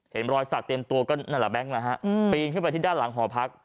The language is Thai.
เห็นรอยสัตว์เตรียมตัวก็นั่นแหละแบงก์นะฮะอืมปีนขึ้นไปที่ด้านหลังหอพัก